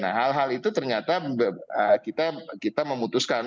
nah hal hal itu ternyata kita memutuskan